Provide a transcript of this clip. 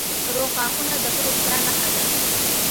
روغ غاښونه د ښه روغتیا نښه ده.